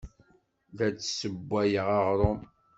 La d-ssewwayeɣ aɣrum.